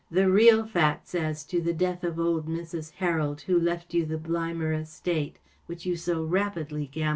The real facts as to the death of old Mrs. Harold, who left you the Blymer estate, which you so rapidly gambled away.